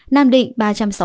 nam định ba trăm sáu mươi tám